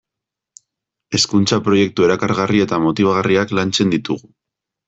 Hezkuntza-proiektu erakargarri eta motibagarriak lantzen ditugu.